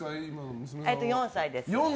４歳です。